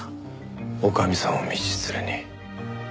女将さんを道連れに。